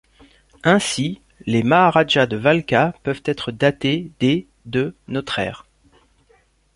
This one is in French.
Ainsi, les maharajas de Valkha peuvent être datés des de notre ère.